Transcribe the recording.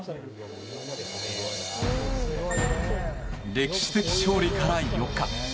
歴史的勝利から４日。